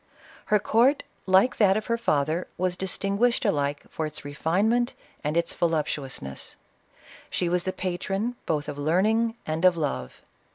Her court, like that of her father, was distinguished alike for its refinement and iUi voluptuousness. She was the patron, both of learning and of love.